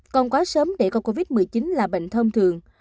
còn quá sớm để có covid một mươi chín là bệnh thông thường